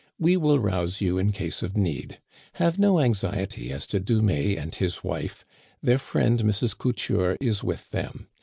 We will rouse you in case of need. Have no anxiety as to Dumais and his wife ; their friend Mrs. Couture is with them.